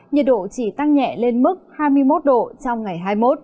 nhiệt độ chỉ tăng nhẹ lên mức hai mươi một độ trong ngày hai mươi một